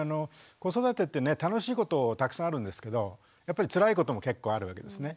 子育てってね楽しいことたくさんあるんですけどやっぱりつらいことも結構あるわけですね。